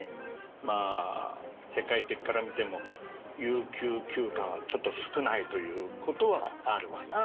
まぁ世界的から見ても有給休暇はちょっと少ないということはあるわな。